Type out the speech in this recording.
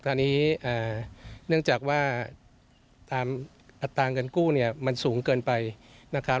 ตอนนี้เนื่องจากว่าตามอัตราเงินกู้เนี่ยมันสูงเกินไปนะครับ